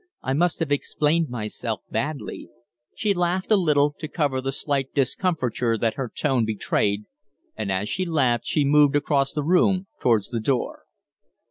I must have explained myself badly." She laughed a little, to cover the slight discomfiture that her tone betrayed, and as she laughed she moved across the room towards the door.